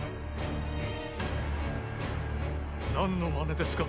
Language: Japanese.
何のマネですか？